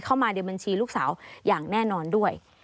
เข้ามาในบัญชีลูกสาวอย่างแน่นอนด้วย